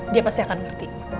dia pasti akan ngerti